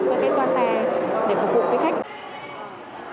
cái toa xe để phục vụ khách